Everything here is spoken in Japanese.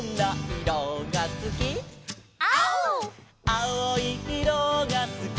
「あおいいろがすき」